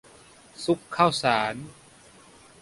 ซุกข้าวสาร